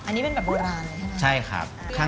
อันนี้เป็นแบบโบราณใช่ครับ